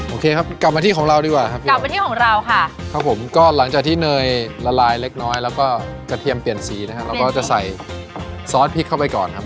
โอเคครับกลับมาที่ของเราดีกว่าครับกลับมาที่ของเราค่ะครับผมก็หลังจากที่เนยละลายเล็กน้อยแล้วก็กระเทียมเปลี่ยนสีนะครับเราก็จะใส่ซอสพริกเข้าไปก่อนครับ